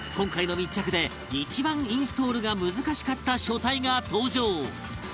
一番インストールが難しかった書体が登場！